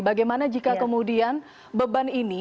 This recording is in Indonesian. bagaimana jika kemudian beban ini